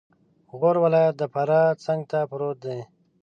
غور ولایت د فراه څنګته پروت دی